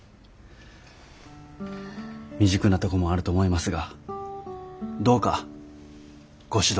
未熟なとこもあると思いますがどうかご指導